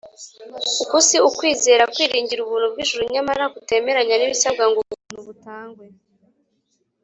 . Uku si ukwizera kwiringira ubuntu bw’ijuru nyamara kutemeranya n’ibisabwa ngo ubwo buntu butangwe